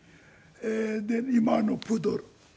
で今のプードル。